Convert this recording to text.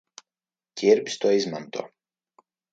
Ķirbis to izmanto.